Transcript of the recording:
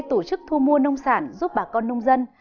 cũng như tổ chức thu mua nông sản giúp bà con nông dân